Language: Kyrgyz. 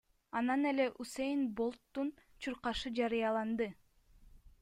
Анан эле Усэйн Болттун чуркашы жарыяланды.